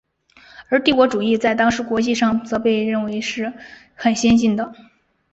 而帝国主义在当时国际上却被认为是很先进的。